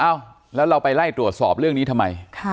เอ้าแล้วเราไปไล่ตรวจสอบเรื่องนี้ทำไม